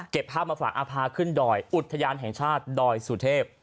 ภาพมาฝากอาพาขึ้นดอยอุทยานแห่งชาติดอยสุเทพ